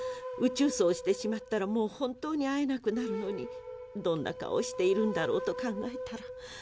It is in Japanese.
宇宙葬をしてしまったらもう本当に会えなくなるのにどんな顔をしているんだろうと考えたら。